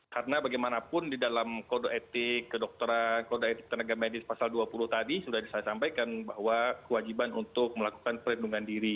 karena bagaimanapun di dalam kode etik kedokteran kode etik tenaga medis pasal dua puluh tadi sudah saya sampaikan bahwa kewajiban untuk melakukan perlindungan diri